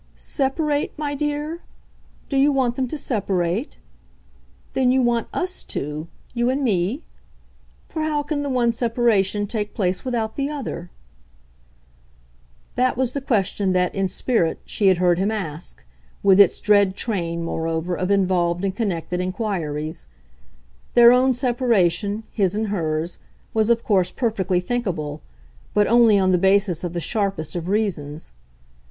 "Separate, my dear? Do you want them to separate? Then you want US to you and me? For how can the one separation take place without the other?" That was the question that, in spirit, she had heard him ask with its dread train, moreover, of involved and connected inquiries. Their own separation, his and hers, was of course perfectly thinkable, but only on the basis of the sharpest of reasons.